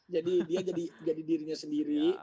jadi dia jadi dirinya sendiri